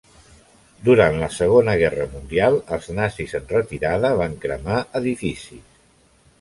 Durant la Segona Guerra Mundial els nazis en retirada van cremar edificis.